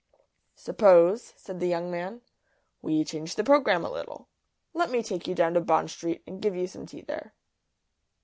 "Suppose," said the young man, "we change the programme a little. Let me take you down to Bond Street and give you some tea there."